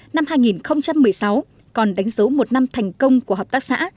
năm hai nghìn một mươi sáu còn đánh dấu một năm thành công của hợp tác xã